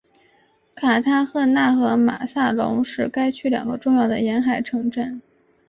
卡塔赫纳和马萨龙是该区两个重要的沿海城镇。